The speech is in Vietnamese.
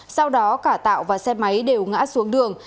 sau đó cả tạo và xe máy đều ngã xuống đường